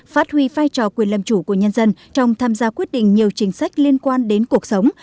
phát huy vai trò quyền làm chủ của nhân dân trong tham gia quyết định nhiều chính sách liên quan đến cuộc sống